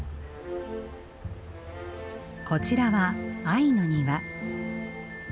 こちらは愛の庭。